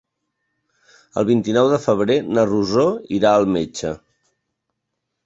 El vint-i-nou de febrer na Rosó irà al metge.